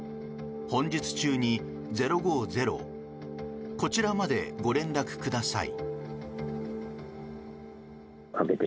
本日中に０５０こちらまでご連絡ください。